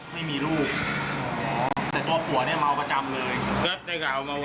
แต่ตัวผัวเมาประจำเลย